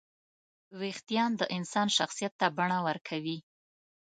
وېښتيان د انسان شخصیت ته بڼه ورکوي.